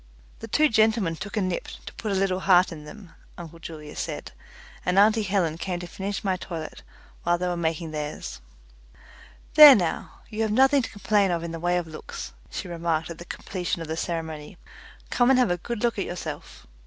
The two gentlemen took a nip, to put a little heart in them uncle Julius said, and auntie Helen came to finish my toilet while they were making theirs. "There now, you have nothing to complain of in the way of looks," she remarked at the completion of the ceremony. "Come and have a good look at yourself."